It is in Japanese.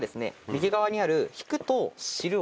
右側にある。